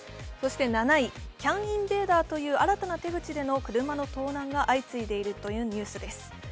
７位、キャンインベーダーという新たな手口での車の盗難が相次いでいるというニュースです。